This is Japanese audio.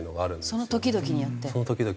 その時々によって。